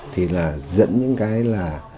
thì là dẫn những cái là